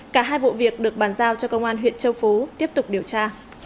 cả hai vụ việc được bàn giao cho công an huyện châu phú tiếp tục điều tra